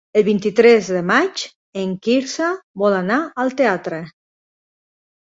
El vint-i-tres de maig en Quirze vol anar al teatre.